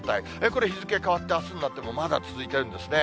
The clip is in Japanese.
これ、日付変わって、あすになってもまだ続いてるんですね。